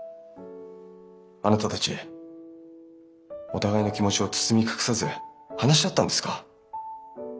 あなたたちお互いの気持ちを包み隠さず話し合ったんですか？